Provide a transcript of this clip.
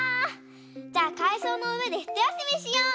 じゃあかいそうのうえでひとやすみしよう。